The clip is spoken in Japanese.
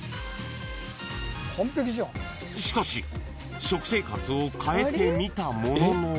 ［しかし食生活をかえてみたものの］